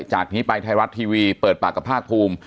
จากนี้ไปไทยรัฐทีวีเปิดปากกับภาคภูมิ